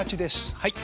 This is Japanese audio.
はい。